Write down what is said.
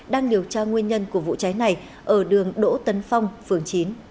đang điều tra nguyên nhân của vụ cháy này ở đường đỗ tấn phong phường chín